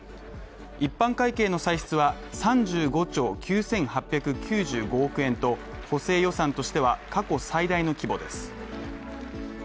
一般会計の歳出は３５兆９８９５億円と、補正予算としては過去最大の規模です。